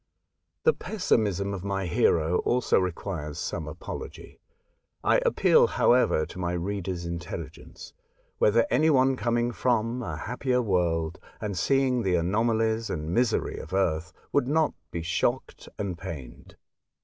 Preface. xi The pessimism of my hero also requires some apology. I appeal, however, to my reader's intelligence, whether any one coming from a happier world, and seeing the anomalies and misery of Earth, would not be shocked and pained